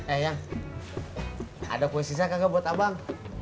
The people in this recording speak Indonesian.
eh yang ada kue sisa kaget buat abang